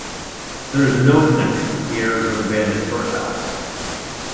There is no connection with the Arizona bandit Burt Alvord.